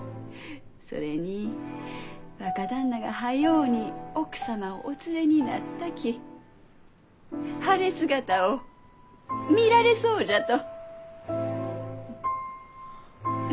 それに若旦那が早うに奥様をお連れになったき晴れ姿を見られそうじゃと。